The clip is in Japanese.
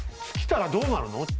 尽きたらどうなるの？